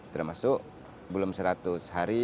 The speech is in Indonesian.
termasuk belum seratus hari